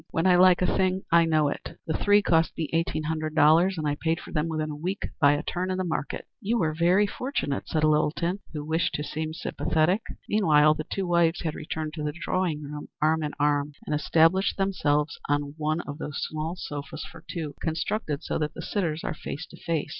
When I like a thing I know it. The three cost me eighteen hundred dollars, and I paid for them within a week by a turn in the market." "You were very fortunate," said Littleton, who wished to seem sympathetic. Meanwhile the two wives had returned to the drawing room arm in arm, and established themselves on one of those small sofas for two, constructed so that the sitters are face to face.